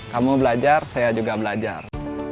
kamu belajar saya juga belajar